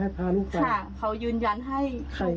น่าพาลูกไปค่ะเขายืนยันให้เข้าไป